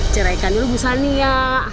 ceraikan dulu bu sani ya